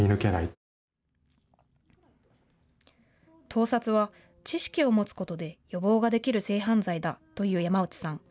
盗撮は知識を持つことで予防ができる性犯罪だという山内さん。